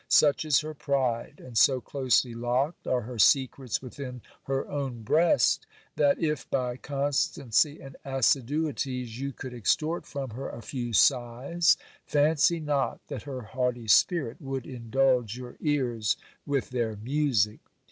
Such is her pride, and so closely locked are her secrets within her own breast, that if, by constancy and assiduities, you could extort from her a few sighs, fancy not that her haughty spirit would indulge your ears with their music.